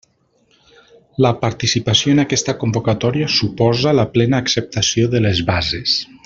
La participació en aquesta convocatòria suposa la plena acceptació de les bases.